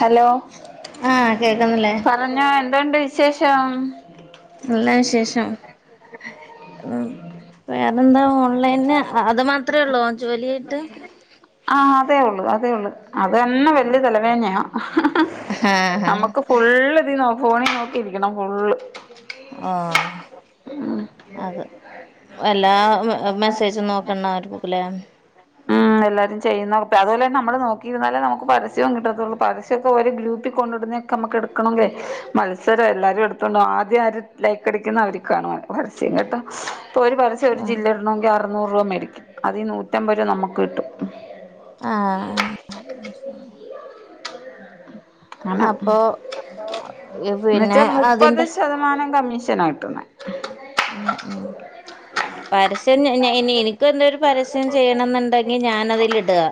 Hello ആഹ് കേക്കുന്നില്ലേ പാ കുഞ്ഞാ എന്തോണ്ട് വിശേഷം നല്ല വിശേഷം ഉം വേറെന്താ ഓൺലൈന് അത് മാത്രേ ഉള്ളൂ ജോലിയായിട്ട് ആഹ് അതേ ഉള്ളു അതേ ഉള്ളു അത് തന്നെ വല്യ തലവേന്നയാ [unintelligible] ആഹ് ആഹ് നമ്മക്ക് ഫുള്ള് ഇത് നോക് ഫോണിൽ നോക്കിയിരിക്കണം ഫുള്ള് ആഹ് അത് എല്ലാ മെസ്സേജും നോക്കണ [unintelligible] ഉം എല്ലാരും ചെയ്യുന്നെ അതുപോെ നമ്മ നോക്കിരുന്നാലേ നമു പരസം [unintelligible] പരസ്യം കിട്ടത്തൊള്ളൂ പരസ്യക്കെ ഒരു ഗ്രൂപ്പിൽ കൊണ്ടിടുന്നക്കെ നമ്മുക്കെടുക്കണങ്കിലെ മത്സരം എല്ലാവരും എടു ആദ്യം ആര് ലൈക്കടിക്കുന്ന അവര് ക്കാണ് പരസ്യം കേട്ട ഇപ്പോ ഒരു പരസ്യ ഒരു ആഹ് ജില്ല ഇടണമെങ്കിൽ അറുന്നൂറ് രൂപ മേ ടിക്കും അതിൽ നൂറ്റമ്പത് രൂപ നമുക്ക് കിട്ടും ആഹ ശരി [unintelligible] അപ്പൊ പിന്നെ എന്നുവച്ചാ മുപ്പത് അതിന്റെ ശതമാനം കമ്മീഷനാ കിട്ടുന്നെ മ്മ് മ് പരസ്യന്നെ എഎനിക്കെന്തൊരു പരസ്യം ചെയ്യണന്ന്ണ്ടെങ്കി ഞാനതിലിടാ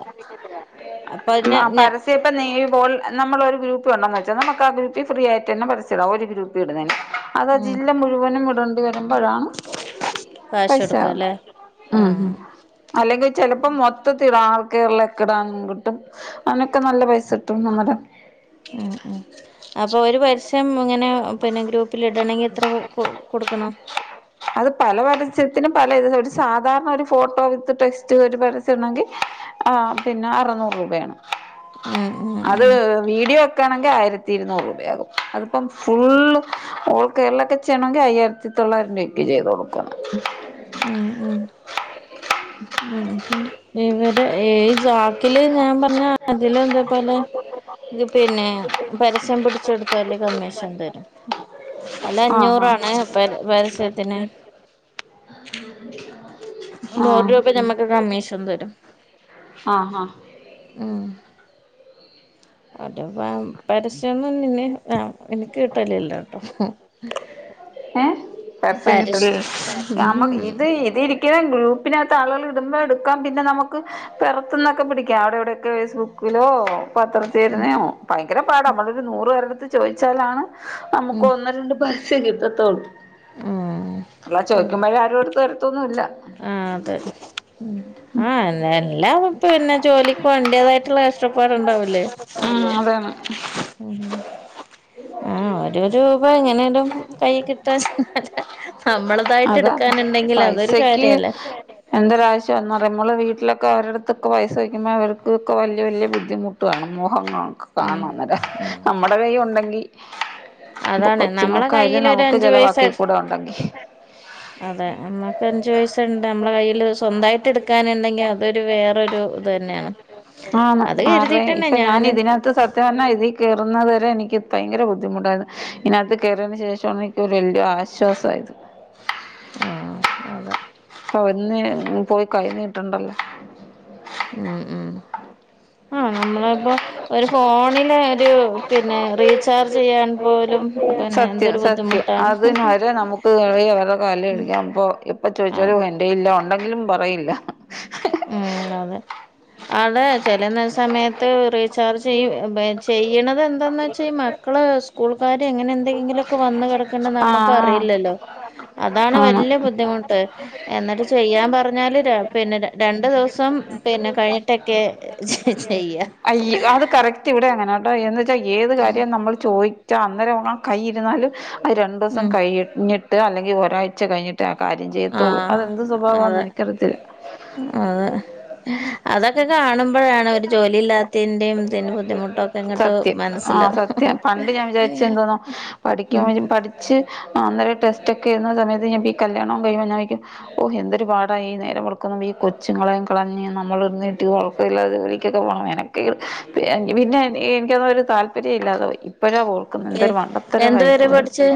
അപ്പൊന്നെ പരസ് ഇതേപ്പൊ നീ ഈ ബോൾ നമ്മളൊരു ഗ്രൂപ്പി ഉണ്ടെന്ന് വെച്ചൊ നമുക്ക് ഗ്രൂപ്പിൽ ഫ്രീയായിട്ടന്നെ പരസ്യടാ ഓര് ഗ്രൂപ്പി ഇടുന്നതെന്നെ അതാ ഉം ജില്ല മുഴുവനും ഇടേണ്ടി വരുമ്പഴാണ് കാശ് [unintelligible] കൊടുക്കല്ലേ ഉം-ഉം ആഹ് അല്ലെങ്കിൽ ചെലപ്പോ മൊത്തത്തി ആൾക്കിലക്കെടാൻ കിട്ടും അയ്നൊക്കെ നല്ല പൈസട്ടും നമ്മുടെ ആഹ ആഹ അപ്പൊ ഒരു പരസ്യം ഇങ്ങനെ പിന്നെ ഗ്രൂപ്പിൽ ഇടണെങ്കി എത്ര കൊടുക്കണം അത് പല പരസ്യത്തിനും പല ഇ ഒരു സാധാരണ ഒരു ഫോട്ടോ വിത്ത് ടെക്സ്റ്റ് ഒരു പരസ്യം ഉണ്ടെങ്കിൽ ആഹ് പിന്നെ അറ്ന്നൂറ് രൂപേണ് ഉം ഉം അത് ഉം വീഡിയോ [unintelligible] ആയിരത്തി ഇരുന്നൂറ് രൂപയാകും അതിപ്പം ഫുള്ള് ഓൾ കേരളയൊക്കെ ചെയ്യണമെങ്കിൽ അയ്യായിര ത്തി തൊള്ളായിരം രൂപക്ക് ചെയ്ത് കൊടുക്കാം മ്ഹ് മ്ഹ് ഉം ഇവര് ഈ സോക്കില് ഞാൻ പറഞ്ഞ അതില് എന്തോ പോലെ എങ്കി പിന്നെ പരസ്യം പിടിച്ചെടുത്താല് കമ്മീഷൻ തരും അല്ല ആഹ് അഞ്ഞൂറാണ് പര പരസ്യത്തിന് നൂറ് ആഹ് രൂപ ഞമ്മക്ക് കമ്മീഷൻ തരും ആഹ് ആഹ് ആഹ് ഉം എന്നിട്ട് ഇപ്പം പരസ്യൊന്നും [unintelligible] ആഹ് എനിക്ക് കിട്ടലില്ലാട്ടോ ഏഹ് പരസ്യം കിട്ടല് നമ്മക്ക് ഉം ഇത് ഇതിരി [unintelligible] ഗ്രൂപ്പിനകത്ത് ആളുകൾ ഇടുന്നതെട്ക്കാം പിന്നെ നമുക്ക് പെറത്ത്ന്നൊക്ക പിടിക്കാം അവിടെ ഇവിടൊക്കെ ഫേസ്ബു കിലോ പത്ര തര്ന്നെയൊ ഭയങ്കര പാട നമ്മളൊരു നൂറ് പേരേട്ത്ത് ചോദിച്ചാലാണ് നമുക്ക് ഉം ഒന്ന് രണ്ട് പ [unintelligible] കിട്ടത്തൊള്ളൂ ആഹ് അല്ലാതെ ഉം ചോദിക്കുമ്പഴ് ആരും എടുത്ത് തരത്തൊന്നുമില്ല ആഹ് അതെ മ്ഹ് ആഹ് എല്ലാ എല്ലാടത്തും എല്ലാ ജോലിക്കും അതിന്റെതായിട്ടുള്ള കഷ്ടപ്പാടു ഉണ്ടാവൂലേ ഉം അതാണ് മ്ഹ് ആഹ് ഒരു രൂപ എങ്ങനേലും കൈയി കിട്ടാൻ നമ്മളതായിട്ട് അതാ എടുക്കാനുണ്ടെങ്കിൽ അതൊരു പൈസക്ക് കാര്യല്ലേ എന്തൊരാവശ്യം വന്നാ പറയും നമ്മള് വീട്ടിലൊക്കെ അവരെടുത്തൊക്കെ പൈസ ചോയ്ക്കുമ്പോ അവർക്ക്ക്കെ വലിയ വലിയ ബുദ്ധിമു [unintelligible] ആണ് മൊഹങ്ങളൊക്കെ ഉം കാണണം അന്നേരം ഉം നമ്മടെ കൈയി ഒണ്ടെങ്കി അതാണ് നമ്മള കയ് [unintelligible] നമുക്ക് ചെലവാക്കിക്കൂടെ ഒണ്ടെങ്കി അതെ നമ്മക്ക് അഞ്ചു പൈസ ഇണ്ട് അമ്മളെ കയ്യില് സ്വന്തായിട്ട് എടുക്കാനുണ്ടെങ്കി അ അതൊരു വേറൊരു ഇത് തന്നെയാണ് ആന്ന് അത് ആർടേം കരുതിട്ടന്നെ ഇപ്പൊ ഞാന് ഞാനും ഇതിനാത്ത് സ [unintelligible] ഇതീ കേറുന്നത് വരെ എനിക്ക് ഭയങ്കര ബുദ്ധിമുട്ടായിരുന്നു ഇതിനാത്ത് കയറിയതിന് ശേഷ് [unintelligible] എനിക്കൊരു [unintelligible] ആശ്വാസായത് ആഹ് അതാ ഓഹ് ഇന്ന് പോയി കയിഞ്ഞീട്ടുണ്ടല്ലോ ഉം ഉം ആഹ് നമ്മളെ ഇപ്പൊ ഒരു ഫോണില് ഒരു പിന്നെ റീചാർജ് ചെയ്യാൻ പോലും പിന്നെ സത്യം എന്തൊരു സത്യം ബുദ്ധിമുട്ടാണ് അതിന് വരെ നമുക്ക് അവരെ അവര്ടെ കാല് [unintelligible] അപ്പോ എപ്പോ ആഹ് ചോദിച്ചാലും എൻ [unintelligible] ഇല്ല ഒണ്ടെങ്കിലും പറയില്ല ഉം അതെ ആള് ചെല നെ സമയത്ത് റീചാർജ് ചെയ്യ് ചെയ്യണത് എന്താന്ന് വെച്ചാ ഈ മ [unintelligible] സ്കൂൾക്കാര് എങ്ങനെ എന്തെങ്കിലും ഒക്കെ വന്ന് കിടക്കേണ്ടന്ന് നമ്മക്ക് ആർടേയും ആഹ് ഇല്ലല്ലോ അതാണ് ആഹ് ആണ് വല്യ ബുദ്ധിമുട്ട് എന്നിട്ട് ചെയ്യാൻ പറഞ്ഞാല് രാ പിന്നെ രാ രണ്ടു ദിവസം പിന്നെ കഴിഞ്ഞിട്ടൊക്കെ ചെ ചെയ്യ അയ് അത് കറക്റ്റ് ഇവിടെ അങ്ങനെയാ കേട്ടോ എന്ന് വെച്ചാ ഏത് കാര്യം നമ്മൾ ചോയി [unintelligible] അന്നേരം ആഹ് കൈയിരുന്നാലും അത് രണ്ടു ദിവസം ഉം കഴിയ ഞ്ഞിട്ട് അല്ലെങ്കിൽ ഒരാഴ്ച കഴിഞ്ഞി [unintelligible] കാര്യം ചെയ്യത്തേ ഒള്ളൂ ആഹ് അതെന്ത് സ്വഭാവന്ന് അതെ എനിക്കറിയത്തില്ല അതൊക്ക കാണുമ്പൊഴാണ് ഒര് ജോലി ഇല്ലാത്തേന്റെയും ഇതിന്റെ ബുദ്ധിമുട്ടൊ സത്യം ആഹ് സത്യം പണ്ട് ഞാൻ വിചാരിച്ച എന്തോന്നാ പഠിക്കാൻ വരും പഠിച്ച് അന്നേരം ഈ ടെസ്റ്റ് ഒക്കെ ഇരുന്ന സമയത്ത് ഞാ ബി കല്യാണവും കഴിയുമ്പ ഞാൻ വിചാരിക്കും ഓ എന്തൊരു പാടായി നേരം വെളുക്കും മുൻപ് ഈ കൊച്ചുങ്ങളേം കളഞ്ഞ് നമ്മള് [unintelligible] [unintelligible] ജോലിക്കൊക്കെ പോണം എനക്ക് പി പിന്നേ എനിക്ക് അതൊന്നും ഒരു താല്പര്യം ഇല്ലാതെ പോയി ഇപ്പഴാ ഓർ [unintelligible] ഏ എന്തൊരു എന്ത് മണ്ടത്തരവായി വരെ പഠിച്ച്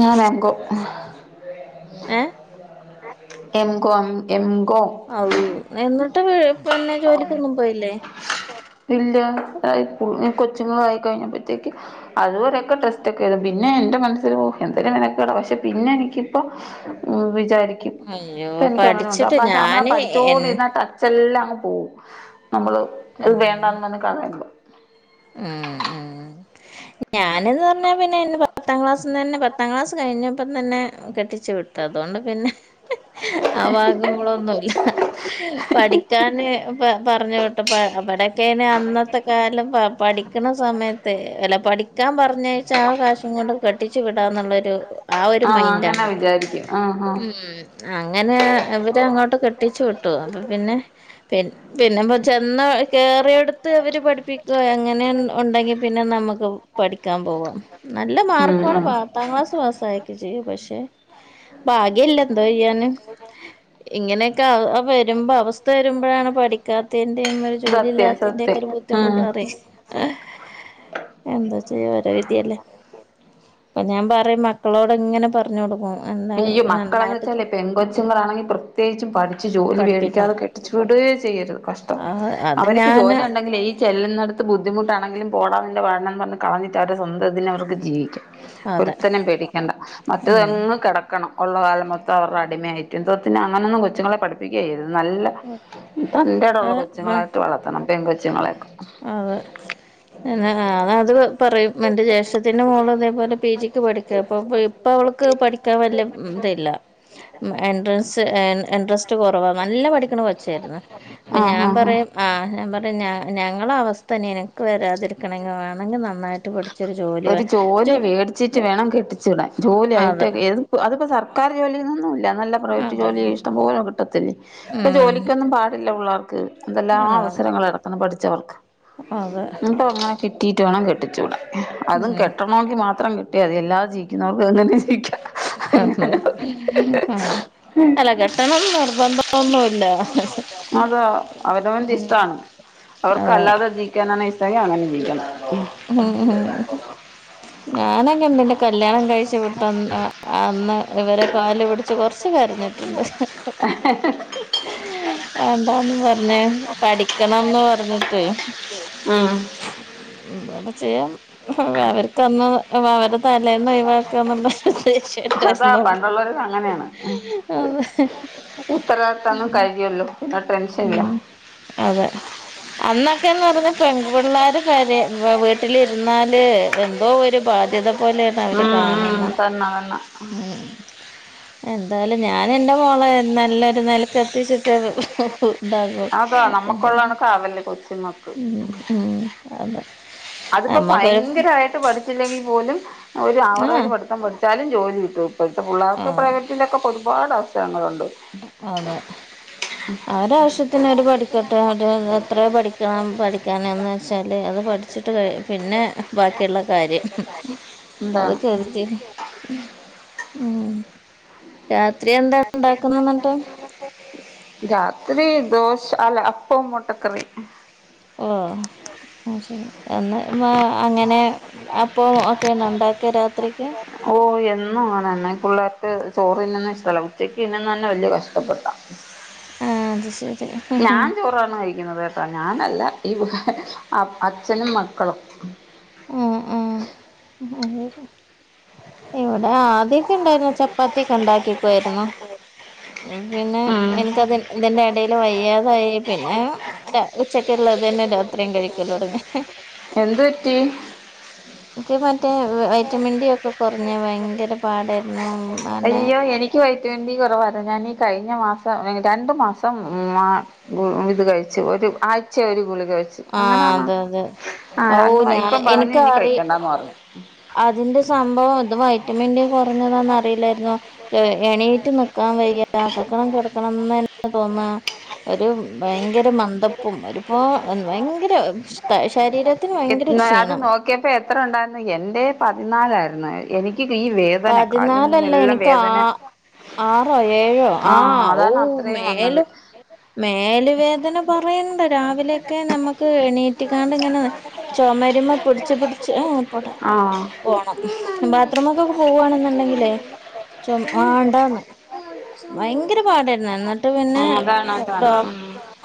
ഞാൻ വാങ്കോ ഏഹ് - എംകോ എംകോം- ഔ എന്നിട്ട് പിന്നെ ജോലിക്കൊന്നും പോയില്ലേ? ഇല്ലാ [unintelligible] കൊച്ചുങ്ങളായി കഴിഞ്ഞപ്പഴ്ത്തേക്ക്- അത് കൊറേക്കെ ടെസ്റ്റ് ക്കെഎഴ്തും പിന്നെ എന്റെ മനസ്സിൽ ഓഎന്തെര് മെനക്കേടാ പക്ഷെ പിന്നെ എനിക്കിപ്പോ- ഉം വിചാരിക്കും അയ്യോ ഇപ്പ എനിക്ക് അങ്ങനെ തോന്ന പഠിച്ചിട്ട് അപ്പക്ഷെ നമ്മള ഞാന് എൻ പഠിച്ചോടെ ഇരുന്നട ഇതെല്ലാം അങ്ങ് പോകും നമ്മള് അത് വേണ്ടന്ന് പറഞ്ഞ് കളയ്പോ- മ് ഹ് മഹ് ഞാൻ - ഞാനെന്ന് പറഞ്ഞാൽ പിന്നെന്നെ പത്താം ക്ലാസ്ൽന്ന് തന്നെ പാത്താം ക്ലാസ് കഴിഞ്ഞപ്പം തന്നെ കെട്ടിചു വിട്ടു- അതുകൊണ്ട് പിന്നെ- ആഹ് ഭാഗങ്ങളൊന്നുല്ല പഠിക്കാന് പറഞ്ഞ് - ഇപ്പ അവിടൊക്കെെ അന്നത്തെ കാലം പ പഠിക്കണ സമയത്ത് അല്ല പഠിക്കാൻ പറഞ്ഞച്ചാ ആ കാശും കൊണ്ട് കെട്ടിച്ചു വിടാന്നുള്ളൊരു- ആ ഒരു ആഹ് അങ്ങനെ മൈൻഡാണ് വിചാരിക്കും ആഹ് ആഹ് ഉം- അങ്ങനെ ഇവര് അങ്ങോട്ട് കെട്ടിച്ചു വിട്ടു അപ്പൊ പിന്നെ- പി പിന്നെ ചെന്ന കേറിയേടത്ത് ഇവര് പഠിപ്പിക്വേ- അങ്ങനെ ഒൺ ഒണ്ടെങ്കിൽ പിന്നെ നമുക്ക് പഠിക്കാൻ പോവാം നല്ല ഉം മാർക്കോടെ ഉം പാ പത്ത് ക്ലാസ് പസായിക്കെ ചെയ്യ്ത് പക്ഷെ ഭാഗ്യല്ല എന്തോ ചെയ്യാന്- ഇങ്ങനെയൊക്കെ അവ വരുമ്പോ അവസ്ഥ വരുമ്പോഴാണ് പഠിക്കാത്ത- ത്തേൻ്റേയും ഒരു സത്യം ജോലില്ലാത്തിൻ്റെക്കെ സത്യം ഒരു ഉം ബുദ്ധിമുട്ടാറിയും എന്താച്ചെയ്യ ഓരോ വിതിയല്ലേ? അപ്പം ഞാൻ പറയും മക്കളോട്ങ്ങനെ പറഞ്ഞ് കൊടുക്കും- എന്താ ആയോ മക്കളാന്ന് വെച്ചാലെ നന്നായിട്ട് പെ കൊച്ചങ്ങളാണെങ്കിൽ പ്രത്യേകും പഠിച്ച് ജോലി മേടിക്കാതെ പഠിപ്പിക്കണം കെട്ട ട്ടിച്ച്വിടുകയേ ചെയ്യരുത് കഷ്ടം ആ അത് അവർക്ക് ഞാന് ജോലി ഉണ്ടെങ്കിൽ ഈ- ചെല്ലുന്നടുത്ത് ബുദ്ധിമുട്ടാണെങ്കിലും പോടാനിന്റെ പാട്ടിനെന്ന് പറഞ് കളഞ്ഞിട്ട് അവ സ്വന്തത്തിന് അവർക്ക് ജീവിക്കാം- അതെ ഒരുത്തനേം പേടിക്കണ്ട ഉം മറ്റേതങ്ങ് കെടക്ക ടക്കണം ഒള്ള കാല മൊത്തം അവരുടെ അടിമയായിറ്റ് എന്തോത്തിന അങ്ങനൊന്നും കൊച്ചുങ്ങളെ പഠിപ്പിക്കുകേ ചെയ്യരുത് നല്ല- തന്റേടം ഒള്ള അതെ കൊച്ചുങ്ങളായിട്ട് വളർത്തണം പെൺ കൊച്ചുങ്ങളെ- എന്ന ആ അത് പറയും എന്റെ ജേഷ്ഠത്തിന്റെ മോളം അതേപോലെ പി ജിക്ക് പഠിക്കുക അപ്പൊ പി ഇപ അവക്ക് പഠിക്കാൻ വലിയ ഇത് ല്ല എൻട്രൻസ് എൻട്രസ്- റ്റ് കൊറവാ നല്ല പഠിക്കണ കൊച്ചായിരുന്നു അപ്പ ആഹ് ഞാൻ ആഹ് പറയും- ആഹ് ഞാൻ പറയുംഞ ഞങ്ങള അവസ്ഥ നിനക്ക് വരാതിരിക്കണമെങ്കി വാ ണേല് നന്നായിട്ട് പഠിച്ചരു ജോലി വേ വച്ചിട്ട് വേണം കെട്ടിച്ചു വിടാൻ ജോലിയായിയിട്ട് അതെ അതിപ്പോ സർക്കാർ ജോലിൊന്നുംഇല്ല നല്ല- പ്രൈവറ്റ് അതെ ജോലി ഇഷ്ടം പോലും കിട്ടത്തില്ലേ ഇപ്പൊ ഉം ജോലിക്കൊന്നും പാടില്ല പിള്ളേർക്ക്- എന്തെല്ലാം ആ അവസരങ്ങള് കെടക്കുന്നു പഠിച്ചവർക്ക് അതെ എന്നിട്ട് അങ്ങനെ കിട്ടീട്ട് വേണം കെട്ടിച്ചൂടാൻ- അതും ഉം കെട്ടണെങ്കി മാത്രം കെട്ടിയാ മതി എല്ലാതെ ജീവിക്കുന്നവർക്ക് അങ്ങനെ ജീവിക്കാം ഉം അങ്ങനെ അല്ല കെട്ടണംന് നിർബന്ധംന്നുമില്ല- അതാ അവനവൻ്റെ ഇഷ്ടമാണ് അതെ അവർക്ക്ല്ലാതെ ജീ ജീവിക്കാനാണ് ഇഷ്ടമെങ്കി അങ്ങനെ ജീവിക്കണം- ഞാനെങ്കെ എന്തിന്റെ കല്യാണം കഴിച്ചു വിട്ട അന്ന് ഇവരെ കല് പിടിച്ച് കൊറച്ച് കരഞ്ഞ് - ട്ടുണ്ട്- വേണ്ടന്ന് പറഞ്ഞേ പഠിക്കണംന്ന് പറഞ്ഞിട്ട്- മ് ഹ്- അപ്പെ ചെയ്യാം- അവർക്ക്ന്ന് അവരുടെ തലേന്ന് ഒഴിവാക്കാന്നുള്ള ഉദ്ദേഷ്യട്ടായിരുന്നു- അങ്ങ ഉത്തരദത്തന്നും കഴിയല്ലോ എന്നിട്ട്- ഉം അതെ അന്നൊക്കെന്ന് പറഞ്ഞ പെങ്ക് പിള്ളേർ പരെ വീട്ടിലിരുന്നാല് എന്തോ ഒരു ബാധ്യത- പോലെയാണ് അവരെ ഉം ഉം കാണണു തന്നെ തന്നെ ഉം- എന്തായാലും ഞാൻ എന്റെ മോളെ നല്ലൊരു നിലക്ക്ത്തിച്ചിട്ടെ എന്താ കോൾ അതാ പിന്നെ നമ്മക്കുള്ള കണക്ക് ആവല്ലേ കൊച്ചുങ്ങക്ക് ഉം ഉം അതെ നമ്മക്കൊരു ന്നായിട്ട് പഠിച്ചില്ലെങ്കിൽ പോലും ഒരു ആവറേജ് ആഹ് പഠിം പഠിച്ചാലും ജോലി കിട്ടും ഇപ്പോഴത്തെ പിള്ളേർക്ക് ആഹ് പ്രൈവ ഇതിലൊക്കെ ഒരുപാട് അവസരങ്ങളുണ്ട് അതെ അവരെ അവരവശ്യത്തിന് ഒര് പഠിക്കട്ടെ എത്രയ പഠിക്കണം പഠിക്കാന് ന്ന് വെച്ചാൽ അത് പഠിച്ചിട്ട് ഴ പിന്നെ ബാക്കിയുള്ള കാര്യം എന്താണ് അതൊക്കെ ചെയ ഉം രാത്രി എന്താ ഉണ്ടാക്കുന്നത് എന്നട്ട് രാത്രി ദോശ അല്ല അപ്പ മോട്ടക്കറി ഓ ശരി എന്ന അങ്ങനെ അപ്പ ഒക്കെയ ഉണ്ടാക്കിയ രാത്രിക്ക് ഓ എന്നും വണം പിള്ളേർക്ക് ചോറിന്ന്ണെ തലകുച്ചക്ക് ഇന്നന്ന് തന്നെ വലിയ കഷ്ടപ്പെട്ടാ ആഹ് അത് ശരി ഞാ ച്ചോ ചോറ്ന്നെ കഴിക്കുന്നത് കേട്ടോ ഞാനല്ല ഈ പ്പ് അച്ഛനും മക്കളും ഉം ഉം [unintelligible] ഇവിടെ ആദ്യൊക്കെ ഇണ്ടായിുന്ന ചപ്പാത്തിയ ഒക്കെ ഉണ്ടാക്കക്കുവായിരുന്നോ ഉം പിന്നെ ഉം എനക്ക്തി ഇതിന്റെ ഇടയിൽ വയ്യാതായി പിന്നെ ഉച്ചക്കള്ളാ തന്നെ രാത്രയും കഴിക്കല്ലോ തുടങ്ങി എന്ത് പെറ്റി എനിക്ക് മറ്റേ വൈറ്റമിൻ ഡി ഒക്കെ കുറഞ്ഞ് ഭയങ്കര പാടായിരുന്നു ഉം തനെ ക്ക് വയറ്റ ഡി കുറവായി ഞാൻഈ കഴിഞ്ഞ മാസം രണ്ടണ്ട് മാസം മാ ഇത് കഴിച്ചു ഒരു ആഴ്ച ഒരു ഗുളി കഴിച്ചു ച്ചു ആഹ് അങ്ങനാണോ അതെ അതെ ആ ഔ രണ്ടു ഞാൻ ഇപ്പ പറഞ്ഞു എനിക്ക് ഇനി അറി കഴിക്കണ്ടാന്ന് പറഞ്ഞു അതിന്റെ സംഭവം അത് വൈറ്റമിൻ ഡി കുറഞ്ഞതാന്നന്ന് അറിയില്ലായിരുന്നു എണീറ്റ് കക്കാൻ വയ്യ കിടക്കണം കിടക്കണംന്ന് നെതോന്നാ ഒരു ഭയങ്കര മന്ദ പ്പും ഒരുപ്പോ ഭയങ്കര ശരീരത്തിന് ഭയങ്കര ക്ഷീണം പ്പോ എത്ര ഉണ്ടായിരുന്നു എന്റെ പതിനാലായിരുന്നു എനിക്ക് ഈ വേദന കാലും പതിനാലല്ല എല്ലാം എനിക്ക് ആ വേദന ആറോ ഏഴോ ആ ഓ അതാണ് അത്രയും വന്നത് മേല് മേല് വേദന പറയണ്ട് രാവിലെയൊക്കെ നമ്മുക്ക് എണീറ്റിക്കാണ്ട് ഇങ്ങനെ ചുമരിമ്മ പിടിച്ച് പിടിച്ച്ട ഏ പോണ്ട ആ പോണം ബാത്രറൂമൊക്കെ പോവാണെന്നുണ്ടെങ്കില് വണ്ടാന്ന് ഭയങ്കര പാടായിരുന്നു എന്നിട്ട് എന്നട്ട് പിന്നെ ആ അതാണ് അതാണ് ഡോക് ഉം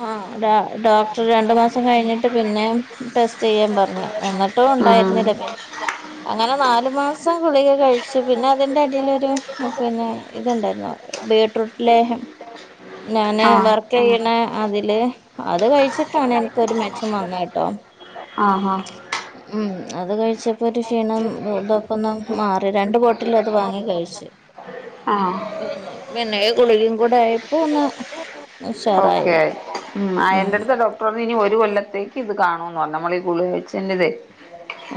ആ ഡ ഡോക്ടർ രണ്ടു മാസം കഴിഞ്ഞിട്ട് പിന്നെ ടെസ്റ്റ് ചെയ്യാൻ പറഞ്ഞു എന്നിട്ട് ട്ടു ഉം ണ്ടായിര്ന്നില്ല പേ അങ്ങനെ നാല് മാസം ഗുളിക ക ശെ പിന്നെ അതിന്റെ അടിലൊരു പിന്നെ ഇത്ണ്ടായിര്ന്നു ബീട്രൂട്ട് ലേഹം. ഞാന് ആ വർക്ക് യ്യ്ണ അതില് അത് കഴിച്ചിട്ടാണ് എനിക്കൊരു മെച്ചം വന്നെ ട്ടോ. ആഹ് ഹാ. ഉം അത് കഴിച്ചപ്പോ ഒരു ക്ഷീണം തൊക്കെന്ന് മാറി രണ്ട് ബോട്ടില് അത് വാങ്ങി കഴിച്. ആഹ്. പിന്നെ ഈ ഗുളികിം കൂട ആയപ്പോ ഒന്ന് ഉഷാറായി. മ് ആ ഉം എന്റെ അട്ത്ത് ഡോക്ടർ ണ് ഇനി ഒരു കൊല്ലത്തേക്ക് ഇത് കാണൂന്ന് പറഞ്ഞു മ്മള് ഈ ഗുളിക കയിചേന്റതെ.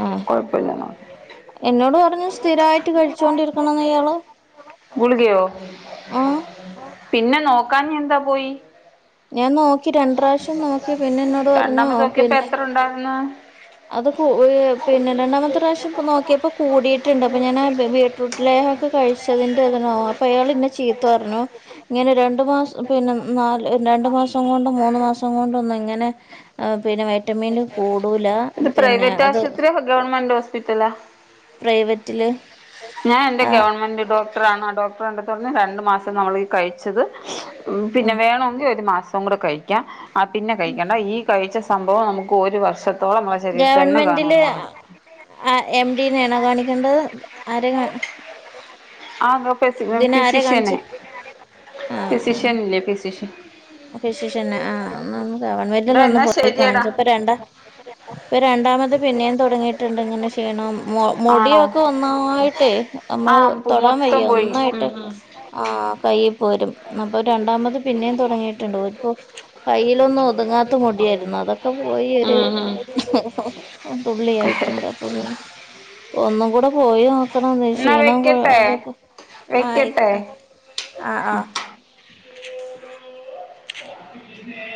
ആഹ് കൊഴപ്പല്ലാ ന്ന എന്നോട് പറഞ്ഞു സ്ഥിരായിട്ട് കഴിച്ചോകൊണ്ടിരിക്കണംന്ന് ഇയാള്. ഗുളികയോ ആഹ് പിന്നെ നോക്കഞ്ഞെ എന്താ പോയി? ഞാൻ നോക്കി രണ്ട് പ്രാവശ്യം നോക്കി പിന്നെ എന്നോട് പറഞ്ഞു രണ്ടാമത് ഓക്കിപ്പോ പിന്നെ എത്ര ണ്ടായിര്ന്നു? അത് പോ പിന്നെ രണ്ടാമത്തെ പ്രാശ്യം ഇപ്പൊ നോക്കിപ്പോ കൂടിട്ട്ണ്ട് അപ്പൊ ഞാനാ ബീട്ട്റൂട്ട് ലേഹംക്കെ കഴിച്ചതിന്റെ ഇതിനാ അപ്പൊ അയാള് ന്നെ ചീത്ത പർന്നു ങ്ങനെ രണ്ടു മാസം പിന്നെ നാല് രണ്ടു മാസം കൊണ്ടും മൂന്ന് മാസം കൊണ്ടൊന്നു ഇങ്ങനെ ആ പിന്നെ വൈറ്റമിന്റെ കൂടൂലാ ഇത് പ്രൈവറ്റ് ആശുപത്രിയാ ഗവൺമെന്റ് ഹോസ്പിറ്റല? പ്രൈവറ്റില് ഞാ എന്റെ ആ ഗവൺമെന്റ് ഡോക് ത്രാണോ ഡോക്ടറ് കണ്ടിട്ട് പറഞ്ഞു രണ്ട് മാസം നമ്മളി കഴിച്ചത് പിന്നെ ഉം വേണോങ്കി ഒരു മാസം കൂടെ കയിക്ക്യ ആ പിന്നെ കഴിക്കണ്ട ഈ കയിച്ച സംഭവം നമുക്ക് ഒരു വർഷത്തോളം മ്മളെ ശരീരത്തി ന്നെ ഗവൺമെന്റില് കാണുന്ന് പറഞ്ഞ്. ആ എം ഡിനാണോ കാണിക്കേണ്ടത് ആരെ കാ ആ [unintelligible] ആരെ ഫിസിഷ്യന് കാണിച്ചേ ഫിസിഷ്യൻ ല്ലേ ഫിസിഷ്യൻ. ഫിസിഷന് ആ ന്ന് ഗവൺമെന്റ് ടാ ഒന്ന് എന്നാ പോയി ശരിയടാ കാണിച്ചപ്പ രണ്ട പ്പൊ രണ്ടാമത് പിന്നേം തോടങ്ങിട്ട്ണ്ട് ങ്ങനെ ക്ഷീണം ആണോ മുടിയൊക്കെ ഒന്നായിട്ടേ ആ അമ്മള് തൊടാൻ മൊത്തം വയ്യ പോയി ഉം ഒന്നായിട്ട് ഉം ആഹ് കയ്യി പോരും അപ്പൊ രണ്ടാമത് പിന്നേം തോടങ്ങിട്ട്ണ്ട് ഓര് പ്പോ കയ്യിലൊന്നും ഒതുങ്ങാത്ത മുടിയായിരുന്നു അതൊക്കെ പോയി ഒരു ഉം ഉം തുള്ളിയായിട്ടുണ്ട് അപ്പൊ ത് ഒന്നും കൂടെ പോയി നോക്കണം ക്ഷീണം പോ തൊക്കെ. വെയ്ക്കട്ടെ? ആഹ് ആഹ്..